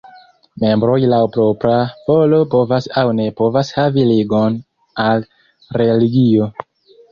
Membroj laŭ propra volo povas aŭ ne povas havi ligon al religio.